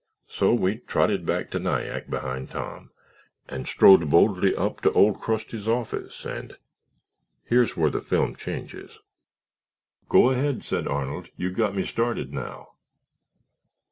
So we trotted back to Nyack behind Tom and strode boldly up to Old Crusty's office and—here's where the film changes—" "Go ahead," said Arnold. "You've got me started now."